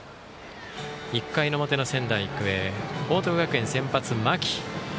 １回の表の仙台育英報徳学園の先発の間木。